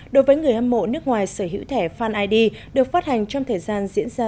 đối với người hâm mộ nước ngoài sở hữu thẻ fan id được phát hành trong thời gian diễn ra